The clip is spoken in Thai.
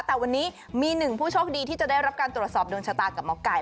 แต่วันนี้มีหนึ่งผู้โชคดีที่จะได้รับการตรวจสอบดวงชะตากับหมอไก่